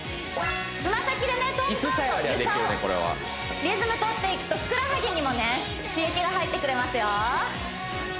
つま先でねトントンと床をリズムとっていくとふくらはぎにもね刺激が入ってくれますよ